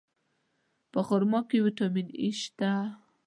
په خرما کې ویټامین E شته.